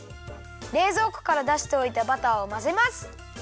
れいぞうこからだしておいたバターをまぜます。